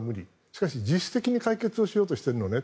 しかし自主的に解決しようとしているのね。